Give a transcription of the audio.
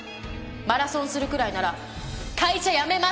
マラソンするくらいなら会社辞めます！